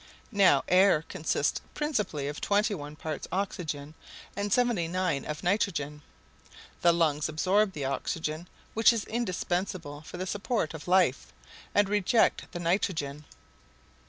Now air consists principally of twenty one parts of oxygen and seventy nine of nitrogen. The lungs absorb the oxygen, which is indispensable for the support of life, and reject the nitrogen.